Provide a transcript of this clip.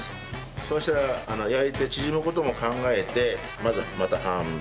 そうしたら焼いて縮む事も考えてまた半分。